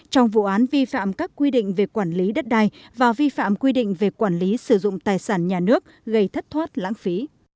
trong vụ án vi phạm các quy định về quản lý đất đai và vi phạm quy định về quản lý sử dụng tài sản nhà nước gây thất thoát lãng phí